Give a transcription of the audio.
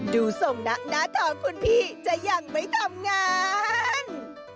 ดูทรงหน้าท้องคุณพี่จะยังไม่ทำงาน